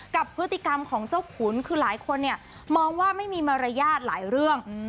กับพฤติกรรมของเจ้าขุนคือหลายคนเนี่ยมองว่าไม่มีมารยาทหลายเรื่อง